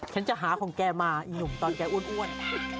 ฉันจะหาของแกมาอีหนุ่มตอนแกอ้วน